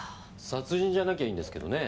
殺人じゃなきゃいいんですけどねえ。